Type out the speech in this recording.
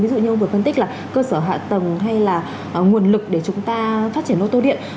ví dụ như ông vừa phân tích là cơ sở hạ tầng hay là nguồn lực để chúng ta phát triển ô tô điện